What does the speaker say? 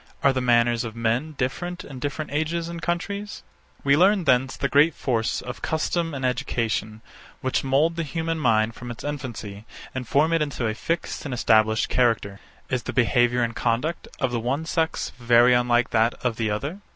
Are the manners of men different in different ages and countries? We learn thence the great force of custom and education, which mould the human mind from its infancy and form it into a fixed and established character. Is the behaviour and conduct of the one sex very unlike that of the other?